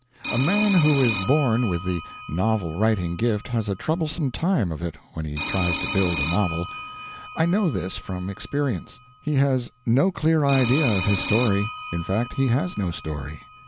A man who is not born with the novel writing gift has a troublesome time of it when he tries to build a novel. I know this from experience. He has no clear idea of his story; in fact he has no story.